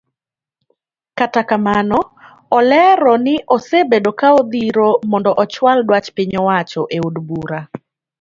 Kata kamano olero ni osebedo ka odhiro mondo ochual duach piny owacho eod bura.